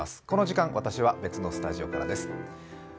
この時間私は別のスタジオからです。